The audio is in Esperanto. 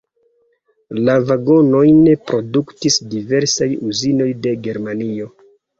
La vagonojn produktis diversaj uzinoj de Germanio.